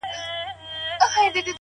ته هم چنداني شی ولاکه يې ه ياره-